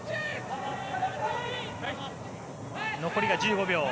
残りが１５秒。